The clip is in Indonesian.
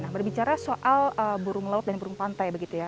nah berbicara soal burung laut dan burung pantai begitu ya